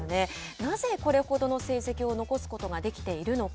なぜこれほど成績を残すことができているのか。